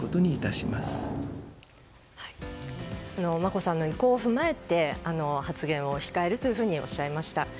眞子さんの意向を踏まえて発言を控えるというふうにおっしゃいました。